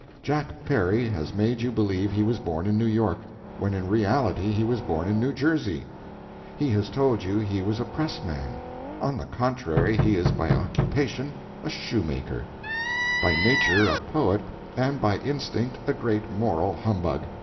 Jack Perry has made you believe he was born in New York, when in reality he was born in New Jersey; he has told you he was a pressman—on the contrary, he is by occupation a shoemaker,—by nature a poet, and by instinct a great moral humbug.